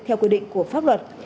theo quy định của pháp luật